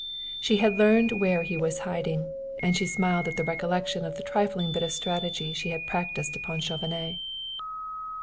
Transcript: She had learned where he was hiding, and she smiled at the recollection of the trifling bit of strategy she had practised upon Chauvenet.